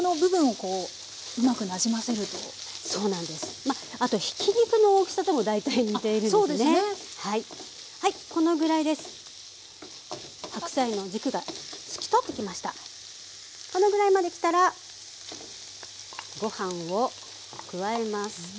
このぐらいまできたらご飯を加えます。